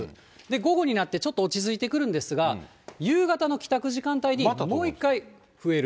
午後になってちょっと落ち着いてくるんですが、夕方の帰宅時間帯に、もう一回増える。